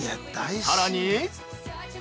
さらに！